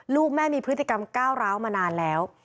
ลูกแม่มีพฤติกรรมก้าวร้าวมานานแล้ว